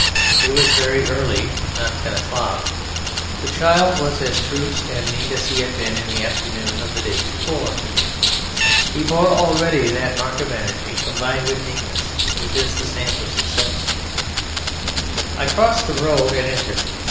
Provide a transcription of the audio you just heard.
It was very early not ten o'clock but the Child was as spruce and neat as he had been in the afternoon of the day before. He bore already that mark of energy combined with neatness which is the stamp of success. I crossed the road and entered.